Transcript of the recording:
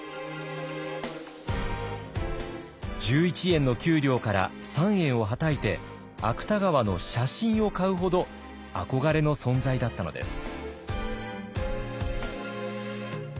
１１円の給料から３円をはたいて芥川の写真を買うほど憧れの存在だったのです。